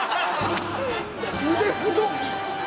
腕太っ！